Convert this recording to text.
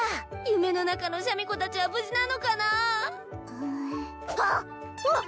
夢の中のシャミ子達は無事なのかなうっはっ！